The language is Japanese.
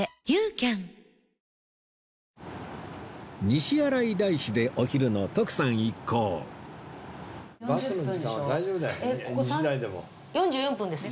西新井大師でお昼の徳さん一行４４分です。